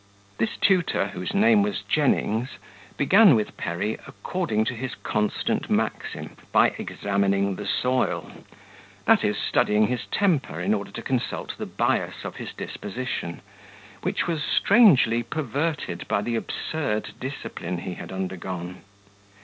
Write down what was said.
This tutor, whose name was Jennings, began with Perry, according to his constant maxim, by examining the soil; that is, studying his temper, in order to consult the bias of his disposition, which was strangely perverted by the absurd discipline he had undergone.